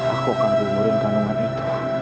aku akan gugurin kandungannya